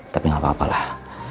tapi gak apa apalah